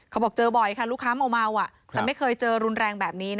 เขาบอกเจอบ่อยค่ะลูกค้าเมาแต่ไม่เคยเจอรุนแรงแบบนี้